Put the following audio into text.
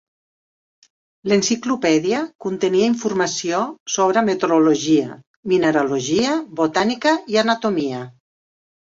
L"enciclopèdia contenia informació sobre metrologia, mineralogia, botànica i anatomia.